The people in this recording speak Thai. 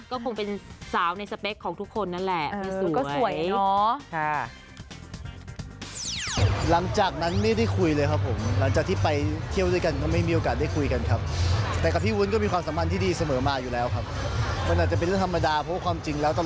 ก็คงเป็นสาวในสเปคของทุกคนนั่นแหละ